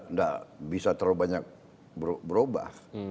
nggak bisa terlalu banyak berubah